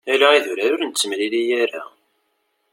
Ala idurar ur nettemlili ara.